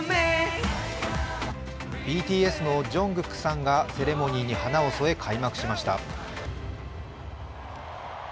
ＢＴＳのＪＵＮＧＫＯＯＫさんがセレモニーに華を添え、開幕しました。